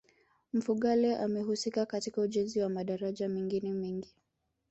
Mfugale amehusika katika ujenzi wa madaraja mengine mengi